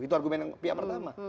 itu argumen yang pertama